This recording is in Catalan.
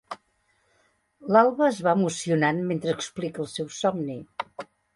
L'Alva es va emocionant mentre explica el seu somni.